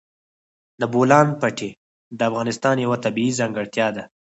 د بولان پټي د افغانستان یوه طبیعي ځانګړتیا ده.